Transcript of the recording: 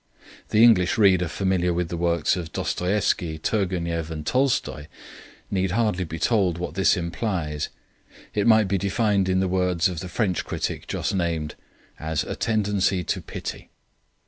The English reader familiar with the works of Dostoieffsky, Turgenev, and Tolstoi, need hardly be told what this implies; it might be defined in the words of the French critic just named as "a tendency to pity."